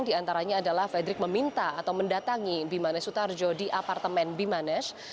diantaranya adalah fredrik meminta atau mendatangi bimanes sutarjo di apartemen bimanes